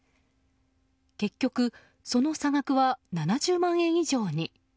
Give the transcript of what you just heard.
結局、その差額は７０万円以上に。